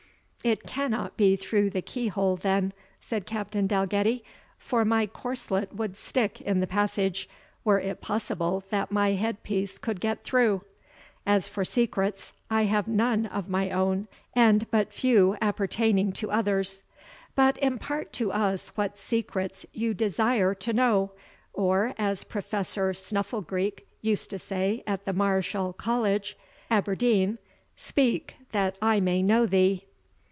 "It cannot be through the keyhole, then," said Captain Dalgetty, "for my corslet would stick in the passage, were it possible that my head piece could get through. As for secrets, I have none of my own, and but few appertaining to others. But impart to us what secrets you desire to know; or, as Professor Snufflegreek used to say at the Mareschal College, Aberdeen, speak that I may know thee."